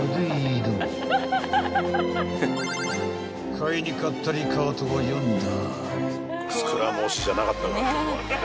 ［買いに買ったりカートは４台］